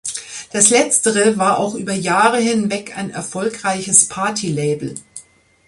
Das letztere war auch über Jahre hinweg ein erfolgreiches Party-Label.